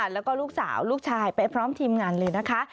แล้วก็ลูกสาวลูกชายไปพร้อมทีมงานเลยนะคะ